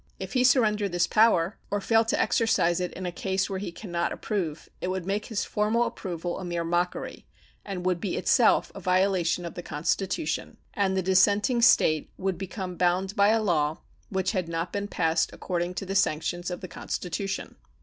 If he surrender this power, or fail to exercise it in a case where he can not approve, it would make his formal approval a mere mockery, and would be itself a violation of the Constitution, and the dissenting State would become bound by a law which had not been passed according to the sanctions of the Constitution.